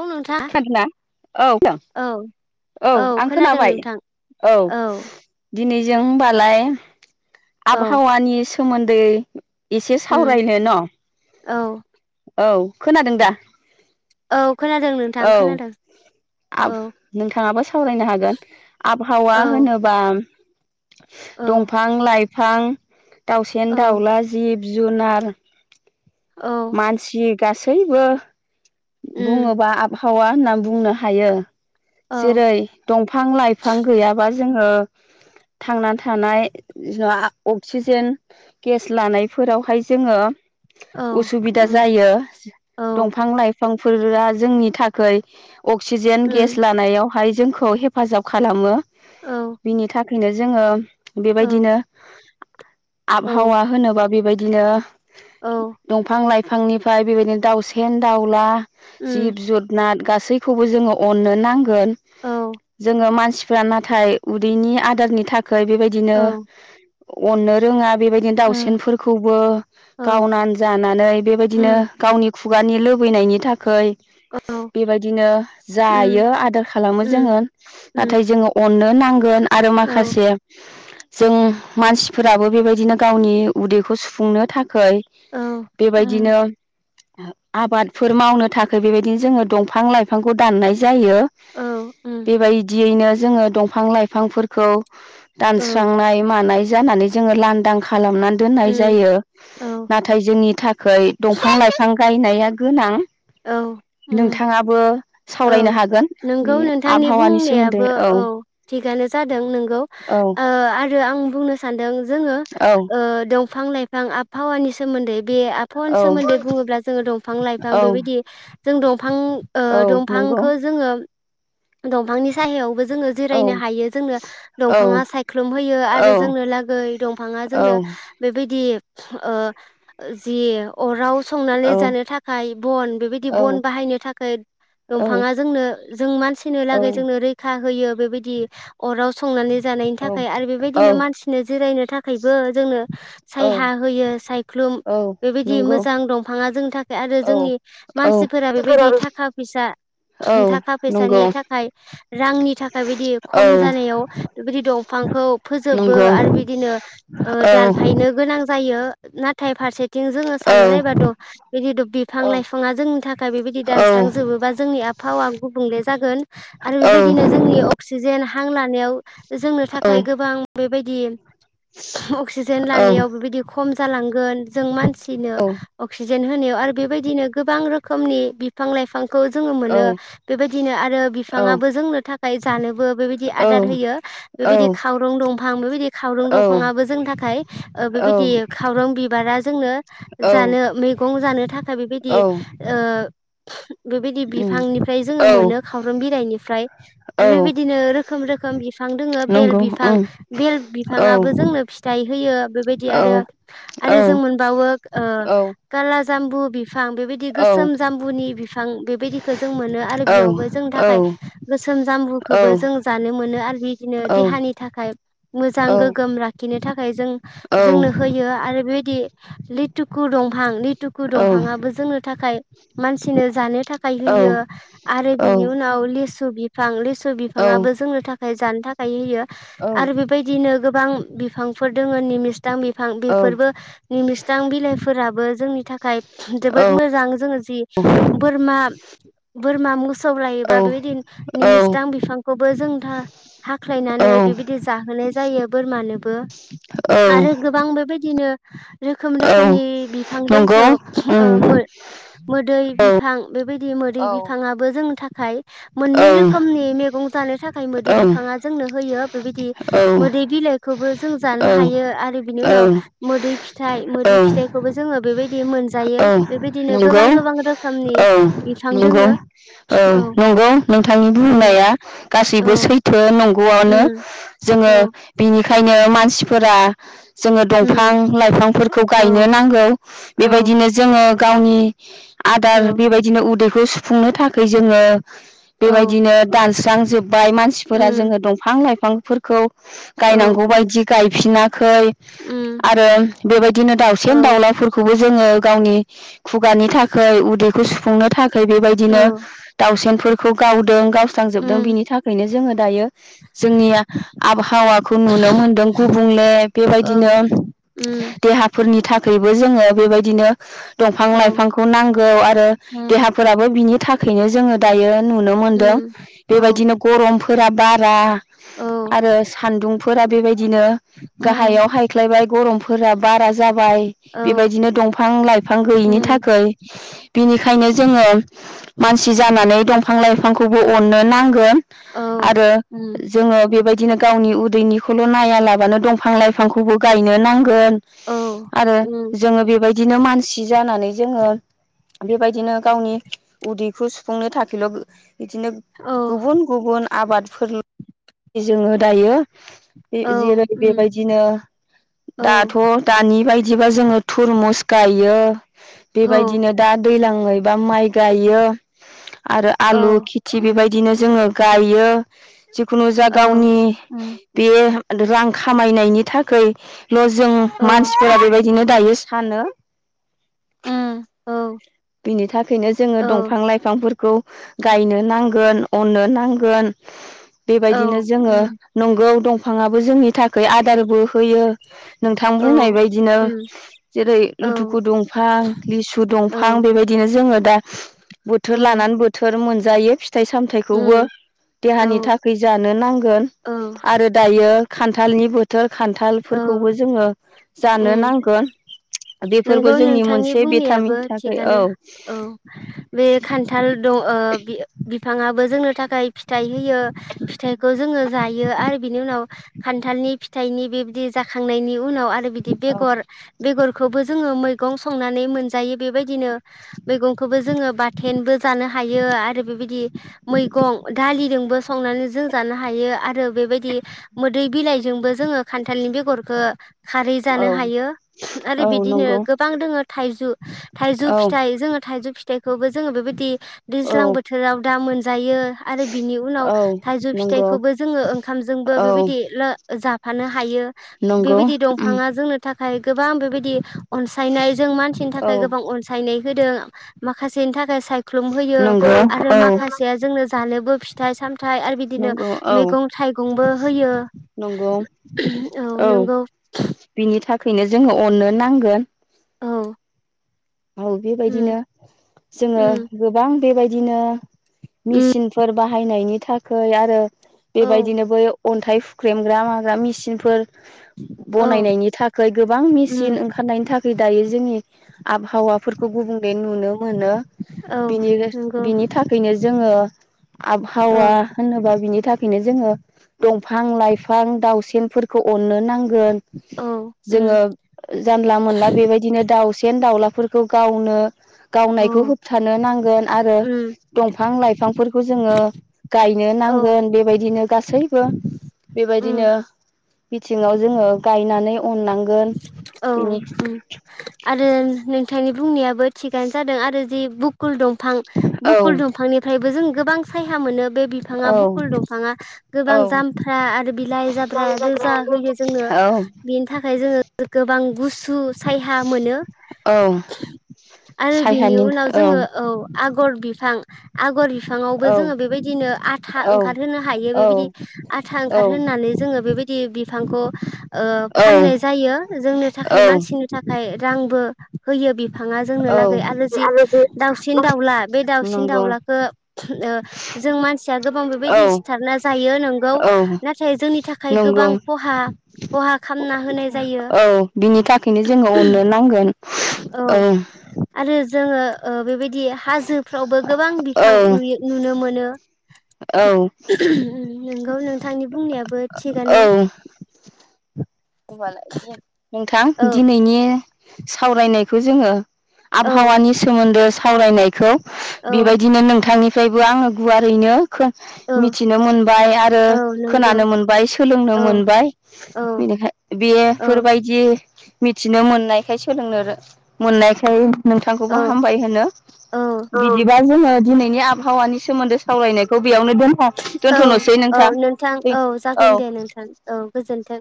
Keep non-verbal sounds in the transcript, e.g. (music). औ नोंथां खोनादोंना औ औ आं खोनादों खोनाबाय नोंथां औ दिनै जों होनबालाय औ आबहावानिस सोमोन्दै एसे उम सावरायनो न' औ औ खोनादों दा? औ खोनादों नोंथां औ खोनादों आब औ नोंथाङाबो सावरायनो हागोन आबहावा औ होनोबा उम औ दंफां लाइफ फां दाउसेेन औ दाउला जिब जुनार औ मानसि गासैबो उम बुङोबा आब हावा होनना बुंनो हायो। औ जेरै दंफां लाइफां गैयाबा जोङो थांना थानाय जा अक्सिजेन गेस लानायफोरावहाय जोङो औ उसुबिदा उम जायो औ दंफां लाइफ फोरा जोंनि थाखै अक्सिजेन गेस उम लानायावहाय जोंखौ हेफाजाब खालामो। औ बिनि थाख नो जोङो औ बेबायदिनो औ आबहावा होनोबा बेबायद बिदिनो औ दंफां लाइफां बिफांनिफ्राय बेबायदिनो दाउसेेन दाउ ग्ला--, उम जिब जादनाट गास गासैखौबो जोङो अननो नां गोन औ जोंगो मानसि रा नाथाय उदैनि आदारनि थाखाय खाय बेबायदिनो- औ अननो रोङा बेबायदिनो उम दाउसेनफोरखौबो औ गावनानै जानानै बेबायदिनो उम गावनि खुगानि ल लुबैनायनि थाखाय। औ बेबायदिनो उम जायो आदार खालामो उम जोङो नाथाय उम जोङो अननो न नांगोन। आरो औ माखासे जों मानसिफोराबो बेबायदिनो गावनि उदैखौ सुफुंनो थाखाय। औ उम बेबायदिनो आबाद फोर मावनो थाखाय बेबायदिनो जोङो दंफां लाइफांखौ दाननाय जायो। जायो औ उम बेबायदियैनो जोङो दंफां लाइफांफोरखौ औ दानस्रांनाय मानाय जानानै जोङो लानदां खा खालामना दोननाय उम जायो औ नाथाय जोंनि थाखाय दंफां लाइफां गायनाय गोनां औ उम नोंथाङाबो औ सावरायनो हागोन बे नोंगौ नोंथांनि आबहावानि सोमोन्दै बुंनायाबो औ थिगानो जादों नंगौ औ ।ओ रो आं बुंनो सानदों जोङो ओ औ बिफां लाइफां आबहावानि सोमोन्दै बे आबहावानि औ सोमोन्दै बुङोब्ला जोङो दंफां लाइफां बेबाय औ जों दं फां ओ औ नंगौ दंफांखौ जोङो दंफांनि सायहायावबो जोङो औ जिरायनो हायो जोंनो औ दंफाङा सायख्लुम होयो । औ आरो जोंनो लागै दंफाङा जोंनो औ बेबायदि ओ जि अराव संनानै औ जानो थाखाय बन बेबायदि औ बन बाहायनो थाखाय दंफाङा जोंनो जों मानसि लागै जोंनो रैखा खा होयो बेबायदि अराव संनानै जानायनि थाखाय आरो औ बेबायनो मानसिनो जिरायनो थाखायबो जोंनो औ सायहा होयो सख्लुम औ बेबाय नंगौ मोजां दंफाङा जों आरो औ जोंनि औ मानसिफोरा बेबायदि थाखा फैसा औ थाखा नंगौ फैसानि थाखाय रांनि थाखाय बिदि औ खम जानायाव बेबायदि दंफांखौ फोजोबो नंगौ आरो बिदिनो ओ औ दानफायनो गोनां जायो। नाथाय फारसे थिं जोङो औ साननानै नायबाथ' बिदि' बिफां लाइफाङा जोंनि थाखाय बेबायदि औ दानस्रांजोबोबा जोंनि आबहावा गुबुंले जागोन। आरो बेबायदिनो जोंनि अक्सिजेन हां लानायाव जोंनो थाखाय गोबां बेबायदि अक्सिजेन औ लानायाव बेबायदि खम जालांगोन। जों मानसिनो औ अक्सि जेन होनायाव आरो बेबायदिनो गोबां रोखोमनि बिफां लाइफां खौ जोङो औ औ मोनो बेबायदिनो आरो औ बिफाङाबो जोंनो थाख खाय जानो बो बे बायदि औ आदार होयो औ बेबायदि खावरं दंफां बेबायदि खावरं औ दंफाङाबो जेंनि थाखाय ओ बेबायदि ओ औ खावरं बि बारा जोंनो जानो मैगंजानो थाखाय बेबायदि औ ओ (inaudible) बेबायदि उम बिफांनिफ्राय औ जोङो मोनो खाव खावब्रुम बिलाइनिफ्राय औ आरो बेबायदिनो रोखोम रोखोम बिफां दङ बेल नंगौ बिफां उम बेल औ बिफांआबो जोंनो फिथाइ होयो बेबायदि औ आरो औ आरो जों मोनबावो ओ औ खालस जामबु बिफां बेबायदि औ गोसोम जामबुनि बिफां बेबायदिखौ जों मोनो आरो औ औ बेयावबो थाखाय गोसोम जामबुखौबो जों जानो मोनो आरो बिदिनो देहानि थाखाय मोजां गोगोम लाखिनो थाखाय जों जोंनो होयो आरो बे लिथुखु दंफां दि लिथुखु दंफाङाबो जोंनो थाखाय मानसिनो जानो थाखाय होयो आरो बिनि उनाव लिसु बिफां लि बिफाङाबो जोंनो थाखाय ओमफ्राय जानो थाखाय होयो आरो बेबायदिनो गोबां बिफांफोर दङ निमिस्रां बिफां बेफोरबो निमस्रां बिलाइफोराबो जोंनि थाखाय जोबोद मोजां जोङो जि बोरमा मा मोसौ लायोबा बेबायदि निमिसदां बिफांखौबो जों हाख्लायनानै बेबायदि जाहोनाय जायो बोरमानोबो औ आरो गोबां बेबायदिनो (unintelligible) रोखोम औ रोखोमनि बिफां नंगौ उम दोङो मोदै औ बिफां बेबायदि मोदै औ बिफाङाबो जोंनि थाखाय मोननै औ रोखोमनि मैगं जानो थाखाय मोदै बिफाङा जोंनो होयो बेबायदि मोदै बिलाइखौबो जों जानो औ हायो आरो बिनि उनाव औ मोदै फिथाइ मोदै फिथाइखौबो जोङो बेबायदि बे मोन जायो औ बेबायदिनो गोबां नंगौ गोबां रोखोमनि औ बिफां नंगौ दोङो औ नंगौ नोंथांनि उम बुंनाया औ गासैबो सैथो गनो उम जोङो औ बिनि ओंखायनो मानसिफोरा जोङो दंफां उम लाइफांफोरखौ गायनो औ नांगौ औ बेबायदिनो गावनि आदार औ बेबायदिनो उदै खौ सुफुंनो थाखाय जोङो औ बेबायदिनो दानस्रां बाय मानसिफोरा उम जोङो दंफां लाइफां बिफांफोरखौ औ गायनांगौ बायदि गायफिना खै उम आरो बेबायदिनो औ दाउसेन दाउलाफोरखौबो जोङो गावनि खुगानि थाखै उदैखौ सुफुंनो थाखै औ बेबायदिनो दाउसेनफोरखौ गावदों गाव स्रांजोबदों उम बिनि थाखायनो जोङो दायो जोंनि आबहावाखौ नुनो मोनदों गुबुंले औ बेबायदिनो उम देहाफोरनि था बेबो जोङो बेबायदिनो दंफां औ लाइफांखौ नांगौ आरो उम देहाफोराबो बिनि थाखैनो जोङो दायो नुनो मोनदों उम औ बेबायदिनो गरम फोरा बारा औ आरो सान्दुंफोरा बेबाय दिनो उम गाहायाव हायख्लायबाय गरम फोरा बारा जा बाय बे बायदिनो दं फां लाइफां गैयिनि उम थाखै बिनिखायनो जोङो मानसि जानानै दंफां लाइफांखौबो अननो नांगोन। औ आरो उम जोङो बेबाय दिनो गावनि उदैनिखौल' नायालाबानो दंफां लाइफांखौबो गायनो नांगोन। औ आरो उम जोङो बेबाय दिनो मानसि जानानै जोङो बेबायदिनो गावनि उदैखौ सुफुंनो थाखैल' बिदिनो औ गुबुन गुबुन आबादफोर जोङो दायो औ जेरै बेबायदिनो औ दाथ' दानि बाय दिबा जोङो थुरमुस गायो। बेबायदिनो दा दैलाङै बा माइ गायो। आरो औ आलु खिथि उम बेबायदिनो जोङो गायो जिखुनु जा औ गावनि बे रां खामायनायनि थाखाय ल' जों औ मानसिफोरा बेबाय दिनो दायो सानो। उम औ। बिनि थाखायनो जोङो दंफां लाइफांफोरखौ गायनो नांगोन, अननो नांगोन बेबायदिनो जोङो नंगौ दं फाङाबो जोंनि थाखाय आदारबो होयो। नोंथां बुंनाय बायदिनो जेरै लुथुखु दुंफां, लिसु दं फां बेबायदिनो जोङो दा बोथोर लानानै बोथोर मोन जायो फि थाइ सामथाइखौबो देहानि औ थाखाय जानो नांगोन आरो दायो खान्थालनि बो खान्थालफोरखौबो औ जोङो जानो नांगोन। बेफोरबो जोंनि मोनसे भिटामिन था आनो औ बे खान्थाल दं ओ बि-बिफाङाबो जोंनो थाखाय फिथाइ होयो फिथाइखौ जोङो जायो आरो बिनि उनाव खान्थालनि फिथाइनि बेबायदि जाखांनायनि उनाव आरो बिदि औ बेगर, बेगर जोङो मैगं संनानै मोनजायो बेबायदिनो मैगंखौबो जोङो बाथेनबो जानो हायो आरो बेबायदि मैगं दालिजोंबो संनानै जों जानो हायो आरो बेबायदि मोदै बिलाइजोंबो जोङो खान्थालनि बेगरखो खारै औ जानो हायो। रो औ बिदिनो नंगौ गोबां दोङो थाइजु थाइजौ औ फिथाइ जोङो थाइजौ फि थाइखौबो जोङो बेबायदि औ दैज्लां बोथोराव दा मोन जायो आरो बिनि उनाव औ थाइजौ नंगौ फिथाइखौबो जोङो ओंखामजोंबो औ बेबायदि लो- जाफानो हायो नंगौ बेबायदि उम दंफाङा जोंनो था हायगोब बां बेबायदि अनसायनाय जों मानसिनि औ थाखाय गोबां अनसायनाय होदों। माखासेनि थाखाय साय ख्लुम होयो नंगौ आरो औ माखासेया जोंनो जानोबो फिथाइ सामथाइ आरो बिदिनो नंगौ औ मैगं थाइगंबो होयो। नंगौ औ, बिनि था खैनो जोङो अननो नांगोन। औ औ बेबायदिनो उम जोङो उम गोबां बेबायदिनो उम मिसिनफोर बा बाहायनायनि थाखोय आरो। औ बेबायदिनो बै अन्थाइ फुख्रेमग्रा माग्रा मेचिनफोर। औ बनायनायनि थाखाय गोबां मेसिन उम ओंखारनायनि थाखाय दायो जोंनि आबहावाफोरखौ गुबुंले नुनो मोनो। औ बिनिरो- नंगौ बिनि थाखायनो जोङो आबहावा औ होनोबा बिनि था बेनो जोङो दंफां लाइफां दाउसेनफोरखौ अननो नां नांगोन औ उम जोङो जानला मोनला बेबायदिनो दाउ दावलाफोरखौ गावनो उम गावनायखौ होबथानो नांगोन आरो दंफां लाइफांफोरखौ जोङो गायनो औ नांगोन बेबायदिनो गासैबो उम बेबायदिनो बिथिङाव जोङो गायनानै अननांगोन औ बिनि उम आरो नोंथांनि बुंनायाबो थिगानो जादों आरो जि बुकुल दं फां औ बुकुल दंफांनिफ्रायबो जों गोबां सायहा मोनो बे बिफाङा औ बुकुल दंफांङा गोबां औ जामफ्रा आरो बिलाइ जाब्रा रोजा होयो जोंनो औ बेनि था जों (unintelligible) बां गुसु सायहा मोनो। औ आरो बिनि उनाव जोङो औ आगर बिफां आगर बिफाङावबो औ जोंङो बेबायदिनो आथा औ ओंखारहोनो हायो औ बेबायदि आथा ओंखार औ होनानै जोङो बेबायदि बिफांखौ ओ फाननाय जायो जोंनि थाखाय औ मानसिनि थाखाय रांबो होयो बि फाङा जोंनो औ लागै आरो जि दाउसिन दाउला बे दाउसिन नंगौ दाउलाखो ओ जों मानसिया गोबां औ बेबायदि सिथारना जायो नोंगौ औ नाथाय जोंनि थाखाय गोबां नंगौ खहा खहा खामना होनाय जा औ बिनि थाखायनो जोङो अननो नांगोन औ। आरो जोङो ओ बेबायदि दि हाजोफ्रावबो गोबां औ बिफां नुयो नुनो मोनो औ उम नोंगौ नोंथांनि बुं बुंनायाबो थिगानो । होबालाय दि नोंथां औ दिनैनि सावरायनायखौ जोङो औ आबहावानि सोमोन्दो सावरायनायखौ औ बेबायदिनो नोंथांनि फ्रायबो आङो गुवारैनो औ मिथिनो मोनबाय आरो औ नंगौ खोनानो मोनबाय सोलोंनो औ मोनबाय औ बेनिखाय बेयो फोरबायदि मिथिनो मोननायखाय सोलोंनो रो मोननायखाय नोंथांखौबो औ हामबाय होनो औ बिदिबा जोङो दिनैनि आ भावानि सो सोमोन्दो सावरायनायखौ बेयावनो दोनथ' औ दोन्थ'नोसै औ नोंथां औ। जागोन दे नोंथां औ गोजोन्थों